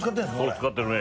使ってるね。